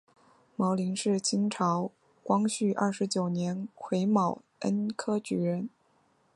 牟琳是清朝光绪二十九年癸卯恩科举人。